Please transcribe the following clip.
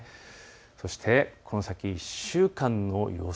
そしてこの先１週間の予想